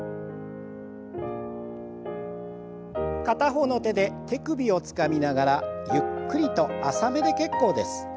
片方の手で手首をつかみながらゆっくりと浅めで結構です。